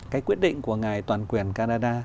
cái quyết định của ngài toàn quyền canada